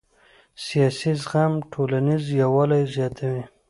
سیاسي زغم ټولنیز یووالی زیاتوي